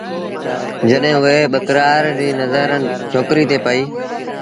جڏهيݩ اُئي ٻڪرآڙ ري نزرڇوڪريٚ تي پئيٚ ۔